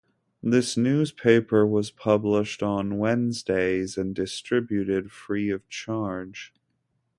This newspaper was published on Wednesdays and distributed free of charge.